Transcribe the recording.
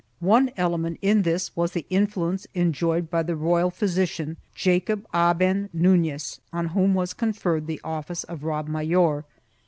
One element in this was the influence enjoyed by the royal physician Jacob Aben Nunez on whom was conferred the office of Rabb Mayor.